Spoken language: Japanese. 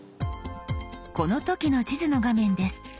この時の地図の画面です。